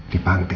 baik banget itu